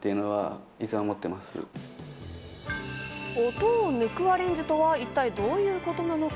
音を抜くアレンジとは一体どういうことなのか？